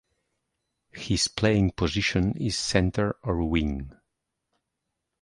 His playing position is Centre or Wing.